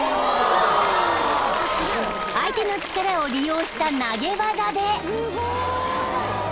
［相手の力を利用した投げ技で］